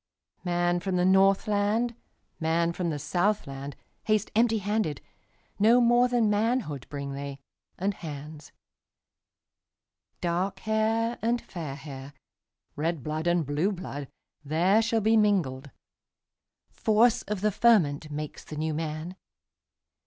Man from the Northland, Man from the Southland, Haste empty handed; No more than manhoodBring they, and hands. Dark hair and fair hair, Red blood and blue blood, There shall be mingled; Force of the fermentMakes the New Man.